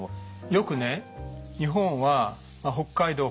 よくね日本は北海道本州